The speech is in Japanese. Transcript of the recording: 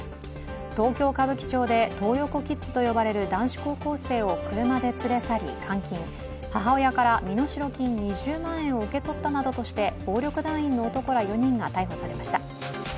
東京・歌舞伎町でトー横キッズと呼ばれる男子高校生を車で連れ去り監禁、母親から身代金２０万円を受け取ったなどとして暴力団員の男ら４人が逮捕されました。